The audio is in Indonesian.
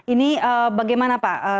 ini bagaimana pak